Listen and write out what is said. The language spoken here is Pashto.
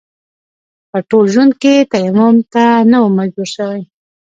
په ټول ژوند کې تيمم ته نه وم مجبور شوی.